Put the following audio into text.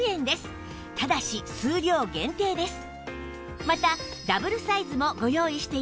ただし数量限定です